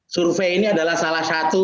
survei ini adalah salah satu